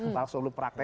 langsung lu praktek